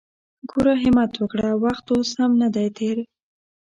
ګوره همت وکړه! وخت اوس هم ندی تېر!